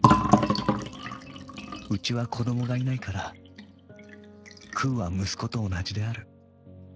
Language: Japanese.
「うちは子どもがいないからくうは息子とおなじである。